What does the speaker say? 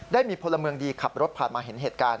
ได้มีพลเมืองดีขับรถผ่านมาเห็นเหตุการณ์